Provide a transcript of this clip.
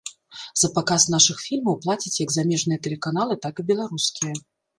За паказ нашых фільмаў плацяць як замежныя тэлеканалы, так і беларускія.